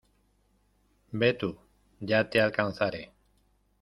Ve tú. Ya te alcanzaré .